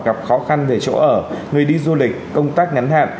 gặp khó khăn về chỗ ở người đi du lịch công tác ngắn hạn